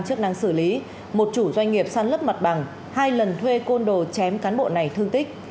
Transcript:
chức năng xử lý một chủ doanh nghiệp săn lấp mặt bằng hai lần thuê côn đồ chém cán bộ này thương tích